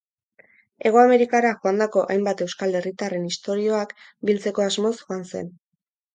Hego Amerikara joandako hainbat euskal herritarren istorioak biltzeko asmoz joan zen.